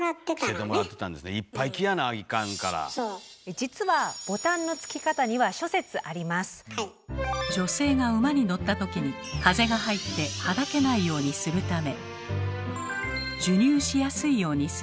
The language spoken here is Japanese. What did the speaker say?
実は女性が馬に乗った時に風が入ってはだけないようにするため。